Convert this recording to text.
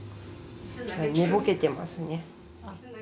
寝ぼけてますね。